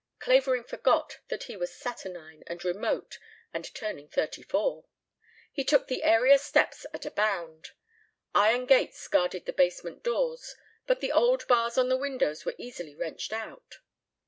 Clavering forgot that he was saturnine and remote and turning thirty four. He took the area steps at a bound. Iron gates guarded the basement doors, but the old bars on the windows were easily wrenched out.